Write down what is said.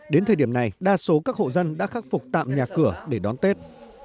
đến thời điểm này đa số các hộ dân đã khắc phục tạm nhà cửa để đón tết